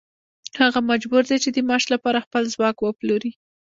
هغه مجبور دی چې د معاش لپاره خپل ځواک وپلوري